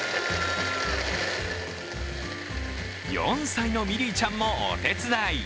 ４歳のミリーちゃんもお手伝い。